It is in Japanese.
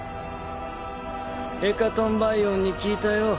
ヘカトンバイオンに聞いたよ。